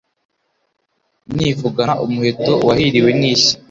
Nivugana umuheto wahiriwe n’ishya